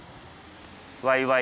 わいわい